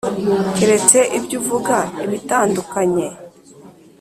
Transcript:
keretse ibyo uvuga ibitandukanye